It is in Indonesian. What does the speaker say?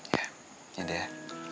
iya yaudah ya